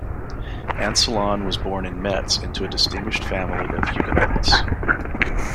Ancillon was born in Metz into a distinguished family of Huguenots.